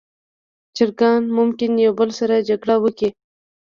چرګان ممکن یو بل سره جګړه وکړي.